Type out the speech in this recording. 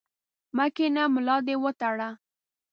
مه کښېنه ، ملا دي وتړه!